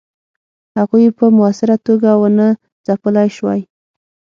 هغوی یې په موثره توګه ونه ځپلای سوای.